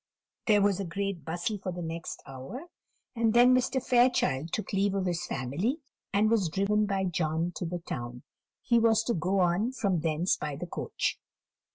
There was a great bustle for the next hour, and then Mr. Fairchild took leave of his family, and was driven by John to the town he was to go on from thence by the coach.